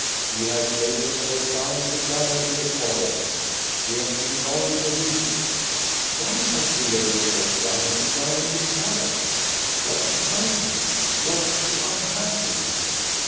She has laid herself down to die in the forest. She has been gone a week." "Why has she laid herself down to die in the forest? Was she hungry? Was she unhappy?"